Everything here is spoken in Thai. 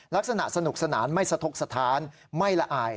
ลักษณะสนุกสนานไม่สะทกสถานไม่ละอาย